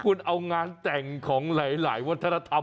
คุณเอางานแต่งของหลายวัฒนธรรม